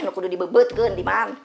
nukudu dibebet kan